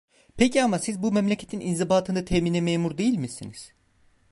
Peki ama, siz bu memleketin inzibatını temine memur değil misiniz?